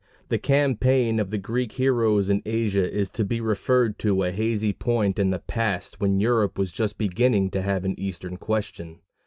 The campaign of the Greek heroes in Asia is to be referred to a hazy point in the past when Europe was just beginning to have an Eastern Question.